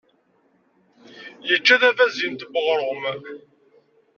Yečča tabazint n uɣṛum.